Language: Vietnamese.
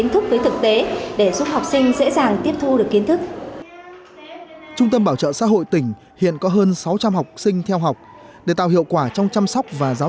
trung tâm bảo trợ xã hội tỉnh hiện có hơn sáu trăm linh học sinh theo học để tạo hiệu quả trong chăm sóc và giáo